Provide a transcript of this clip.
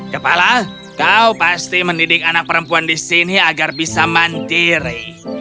kepala kau pasti mendidik anak perempuan di sini agar bisa mandiri